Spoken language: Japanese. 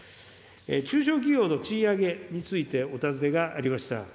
中小企業の賃上げについて、お尋ねがありました。